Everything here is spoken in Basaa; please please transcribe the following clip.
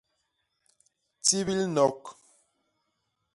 Tibil nok.